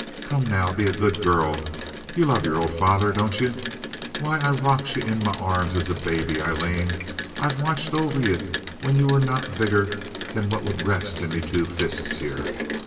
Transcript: Come now, be a good girl. Ye love your old father, don't ye? Why, I rocked ye in my arms as a baby, Aileen. I've watched over ye when ye were not bigger than what would rest in me two fists here.